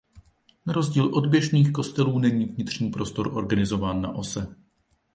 Na rozdíl od běžných kostelů není vnitřní prostor organizován na ose.